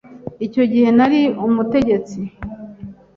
icyo gihe nari umutetsi